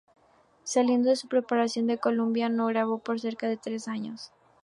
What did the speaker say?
Siguiendo a su separación de Columbia, no grabó por cerca de tres años.